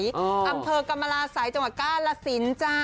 อำเภอกรรมราศัยจังหวัดกาลสินจ้า